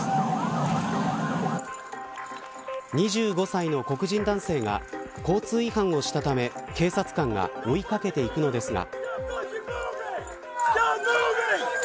２５歳の黒人男性が交通違反をしたため警察官が追いかけていくのですが。